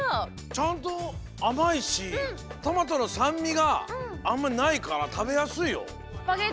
ちゃんとあまいしトマトのさんみがあんまりないからたべやすいよ。